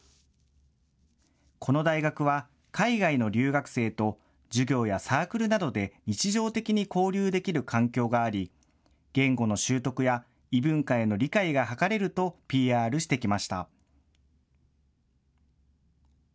この大学は、海外の留学生と授業やサークルなどで日常的に交流できる環境があり、言語の習得や、異文化への理解が図れるとＰＲしてきました。